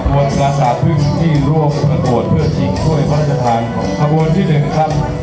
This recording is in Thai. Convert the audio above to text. ขบวนประสาทพึ่งที่ร่วมประโดดเพื่อชิงช่วยวัฒนธรรมของขบวนที่๑ครับ